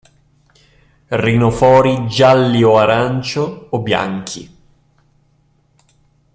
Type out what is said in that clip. Rinofori giallio-arancio o bianchi.